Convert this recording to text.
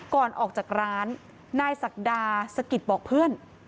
ก่อนออกจากร้านนายศักดาสะกิดบอกเพื่อน